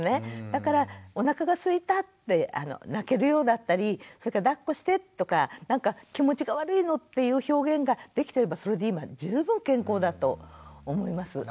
だからおなかがすいたって泣けるようだったりそれからだっこしてとかなんか気持ちが悪いのっていう表現ができてればそれで今十分健康だと思います。